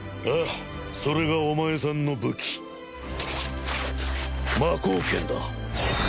ああそれがお前さんの武器魔甲拳だ。